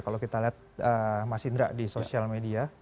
kalau kita lihat mas indra di sosial media